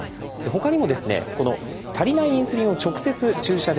ほかにもですね足りないインスリンを直接注射で補う。